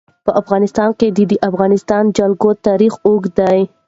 په افغانستان کې د د افغانستان جلکو تاریخ اوږد دی.